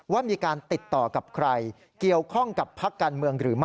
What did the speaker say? ว่ามีการติดต่อกับใครเกี่ยวข้องกับพักการเมืองหรือไม่